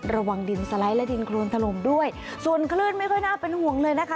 ระวังดินสไลด์และดินโครนถล่มด้วยส่วนคลื่นไม่ค่อยน่าเป็นห่วงเลยนะคะ